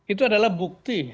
itu adalah bukti